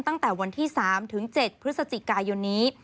ตั้งแต่วันที่๓ถึง๗พฤศจิกายนนี้